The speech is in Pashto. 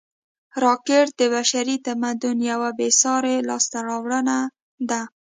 راکټ د بشري تمدن یوه بېساري لاسته راوړنه ده